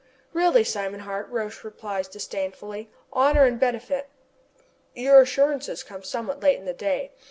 "Really, Simon Hart!" Roch replies disdainfully. "Honor and benefit! Your assurances come somewhat late in the day.